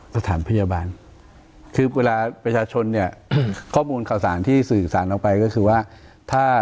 สถานพยาบาลคือเวลาประชาชนเนี่ยข้อมูลข่าวสารที่สื่อสารออกไปก็คือว่าถ้า